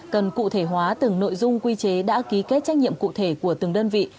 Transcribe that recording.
cần cụ thể hóa từng nội dung quy chế đã ký kết trách nhiệm cụ thể của từng đơn vị